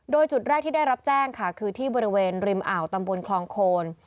โดยจุดแรกที่ได้รับแจ้งค่ะคือที่บริเวณริมอ่าวตำบลคลองโคน